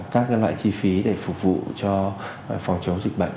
các loại chi phí để phục vụ cho phòng chống dịch bệnh